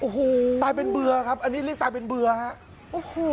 อ๋อโฮตายเป็นเบื่อครับอันนี้เรียกตายเป็นเบื่อคะ